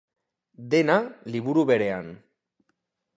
Dena, liburu berean.